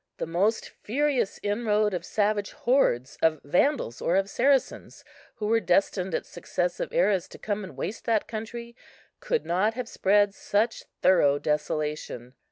The most furious inroad of savage hordes, of Vandals, or of Saracens, who were destined at successive eras to come and waste that country, could not have spread such thorough desolation.